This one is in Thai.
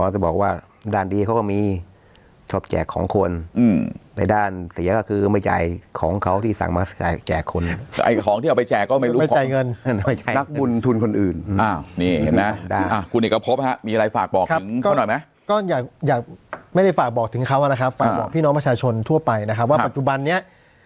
เราต้องศึกษาเขาให้ดี